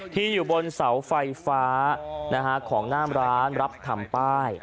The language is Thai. อยู่บนเสาไฟฟ้าของหน้ามร้านรับทำป้าย